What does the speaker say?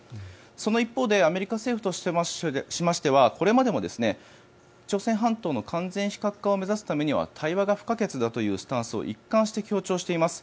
その一方でアメリカ政府としましてはこれまでも朝鮮半島の完全非核化を目指すためには対話が不可欠だというスタンスを一貫しています。